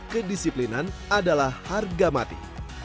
kedisiplinan adalah harga mati